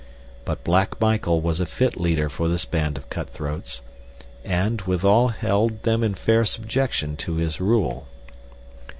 But Black Michael was a fit leader for this band of cutthroats, and, withal held them in fair subjection to his rule.